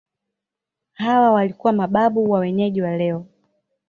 Hawa walikuwa mababu wa wenyeji wa leo.